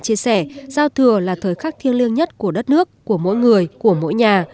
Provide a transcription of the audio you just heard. chủ tịch nước trần đại quang chia sẻ giao thừa là thời khắc thiêng lương nhất của đất nước của mỗi người của mỗi nhà